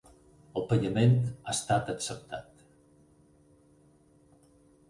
El pagament ha estat acceptat.